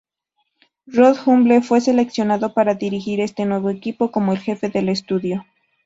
Rod Humble fue seleccionado para dirigir este nuevo equipo como el jefe del estudio.